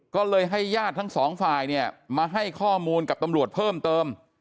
ก็เลยให้ญาติทั้งสองฝ่ายเนี่ยมาให้ข้อมูลกับตำรวจเพิ่มเติม